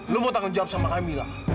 lo mau tanggung jawab sama camilla